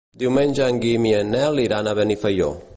Diumenge en Guim i en Nel iran a Benifaió.